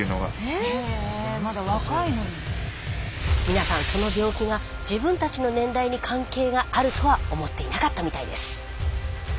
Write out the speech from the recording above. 皆さんその病気が自分たちの年代に関係があるとは思っていなかったみたいです。